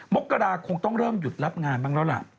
มกราคงต้องเริ่มหยุดรับงานบ้างแล้วล่ะ